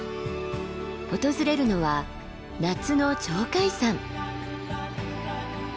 訪れるのは夏の鳥海山。